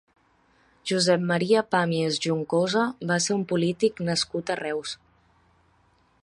Josep Maria Pàmies Juncosa va ser un polític nascut a Reus.